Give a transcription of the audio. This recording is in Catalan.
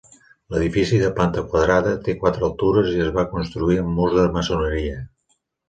L'edifici, de planta quadrada, té quatre altures i es va construir amb murs de maçoneria.